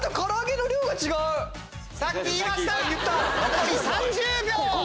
残り３０秒！